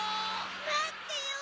まってよ！